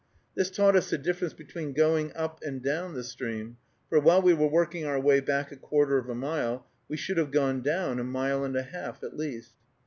This taught us the difference between going up and down the stream, for while we were working our way back a quarter of a mile, we should have gone down a mile and a half at least.